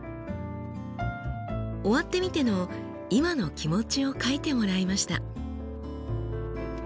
終わってみての今の気持ちを書いてもらいました。